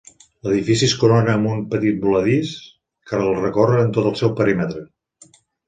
L'edifici es corona amb un petit voladís que el recorre en tot el seu perímetre.